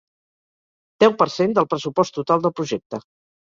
Deu per cent del pressupost total del projecte.